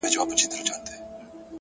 هره ورځ د نوې لارې احتمال شته.